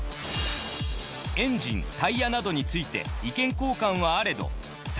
エンジンタイヤなどについて意見交換はあれどなかでも